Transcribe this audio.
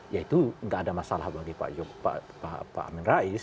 itu tidak ada masalah bagi pak amin rais